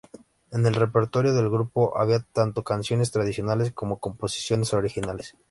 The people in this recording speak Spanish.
En el repertorio del grupo había tanto canciones tradicionales como composiciones originales.